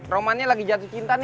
romannya lagi jatuh cinta nih